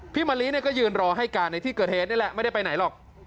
มะลิก็ยืนรอให้การในที่เกิดเหตุนี่แหละไม่ได้ไปไหนหรอก